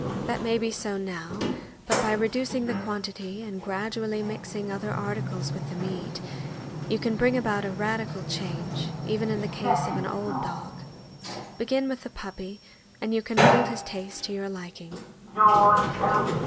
That may be so now, but by reducing the quantity and gradually mixing other articles with the meat, you can bring about a radical change, even in the case of an old dog. Begin with the puppy, and you can mold his taste to your liking.